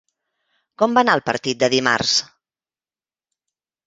Com va anar el partit de dimarts?